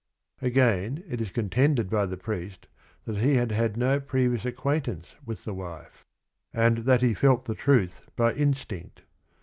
Again, it is contended by the priest that he had had no previous acquaintance with the wife, and 46 THE RING AND THE BOOK that he felt the truth by instinct.